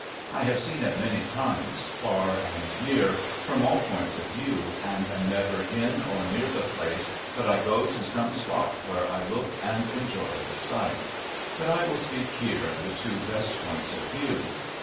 I have seen it many times, far and near, from all points of view, and am never in or near the place but I go to some spot where I look at and enjoy the sight; but I will speak here of the two best points of view.